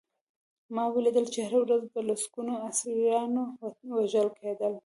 ما ولیدل چې هره ورځ به لسګونه اسیران وژل کېدل